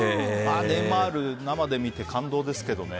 ネイマール、生で見て感動ですけどね。